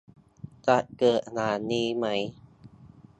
จะเกิดอย่างนี้ไหม ?